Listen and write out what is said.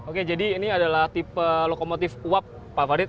oke jadi ini adalah tipe lokomotif uap favorit